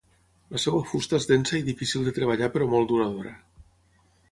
La seva fusta és densa i difícil de treballar però molt duradora.